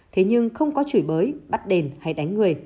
thế nhưng không có chửi bới bắt đền hay đánh người